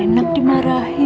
emang enak dimarahin